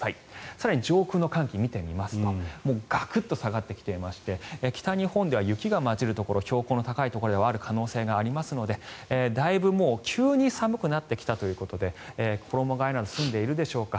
更に上空の寒気を見てみますとガクッと下がってきていて北日本では雪が交じるところが標高の高いところではある可能性がありますのでだいぶもう急に寒くなってきたということで衣替えなど済んでいるでしょうか。